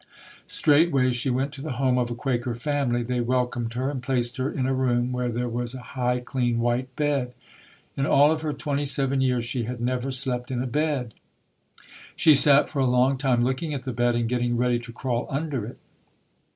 Straightway she went to the home of a Quaker family. They welcomed her and placed her in a room where there was a high, clean, white bed. In all of her twenty seven years she had never slept in a bed. She sat for a long time look ing at the bed and getting ready to crawl under it.